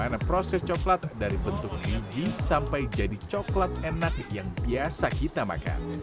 bagaimana proses coklat dari bentuk biji sampai jadi coklat enak yang biasa kita makan